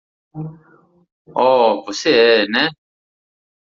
Oh, você é, né?